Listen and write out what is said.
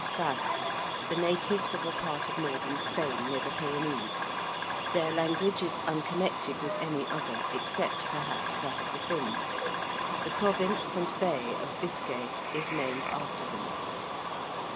~Basques~: the natives of a part of northern Spain, near the Pyrenees. Their language is unconnected with any other, except perhaps that of the Finns. The Province and Bay of Biscay is named after them.